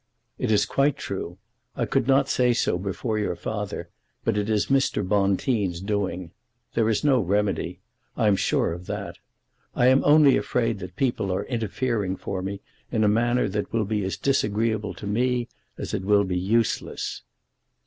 "It is quite true. I could not say so before your father, but it is Mr. Bonteen's doing. There is no remedy. I am sure of that. I am only afraid that people are interfering for me in a manner that will be as disagreeable to me as it will be useless."